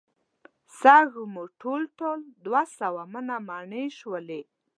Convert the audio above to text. سږ مو ټول ټال دوه سوه منه مڼې شولې.